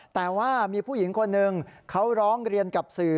แต่ว่ามีผู้หญิงคนหนึ่งเขาร้องเรียนกับสื่อ